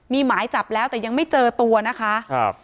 มีหมายจับแล้วแต่ยังไม่เจอตัวนะคะ